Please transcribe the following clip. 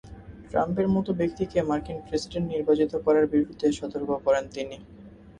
ট্রাম্পের মতো ব্যক্তিকে মার্কিন প্রেসিডেন্ট নির্বাচিত করার বিরুদ্ধে সতর্ক করেন তিনি।